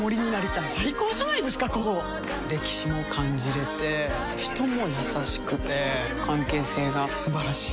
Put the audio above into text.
歴史も感じれて人も優しくて関係性が素晴らしい。